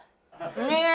お願い！